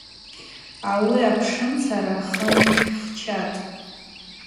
Ауи апшымцара хын хӏчатӏ.